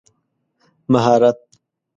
مهارت